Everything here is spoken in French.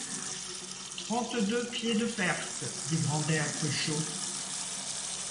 Trente-deux pieds de perte, dit Grandet à Cruchot.